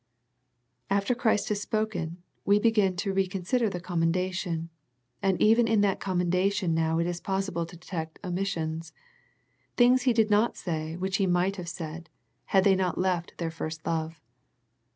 After Christ has spoken, we begin to re consider the commendation, and even in that commendation now it is possible to detect omissions, things He did not say which He might have said, had they not left their first love.